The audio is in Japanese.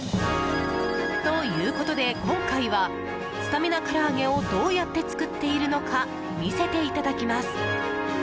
ということで今回はスタミナからあげをどうやって作っているのか見せていただきます。